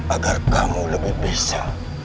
agar kamu lebih bisa